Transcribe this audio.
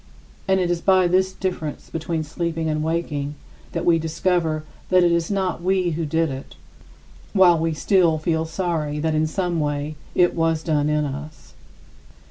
And it is by this difference between sleeping and waking that we discover that it was not we who did it, while we still feel sorry that in some way it was done in us.